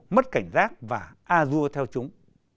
mất cảnh giác và a dua theo chúng